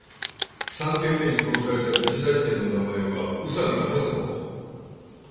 ３件目に殺された女子大生の名前は宇佐見一穂。